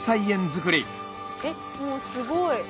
えっもうすごい。